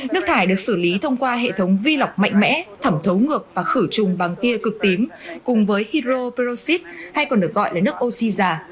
nước thải được xử lý thông qua hệ thống vi lọc mạnh mẽ thẩm thấu ngược và khử trùng bằng tia cực tím cùng với hydroperoxid hay còn được gọi là nước oxy già